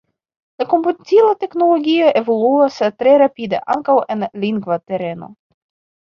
La komputila teknologio evoluas tre rapide ankaŭ en lingva tereno.